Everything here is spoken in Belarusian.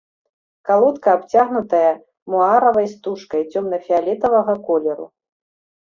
Калодка абцягнутая муаравай стужкай цёмна-фіялетавага колеру.